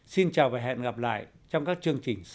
xin chào và hẹn gặp lại trong các chương trình sau